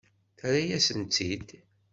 Terra-yas-tt-id.